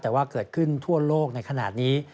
แต่ว่าเกิดขึ้นทั่วโลกในขณะนี้